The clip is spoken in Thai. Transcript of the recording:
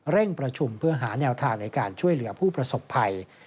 ประชุมเพื่อหาแนวทางในการช่วยเหลือผู้ประสบภัย